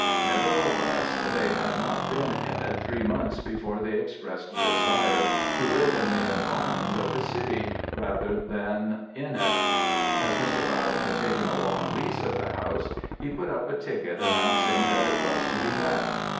Nevertheless, they had not been in it three months before they expressed a desire to live in the environs of the city rather than in it. As Mr. Bautte had taken a long lease of the house, he put up a ticket announcing that it was to be let.